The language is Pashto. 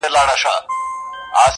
هم یې زامه هم یې پزه ماتومه،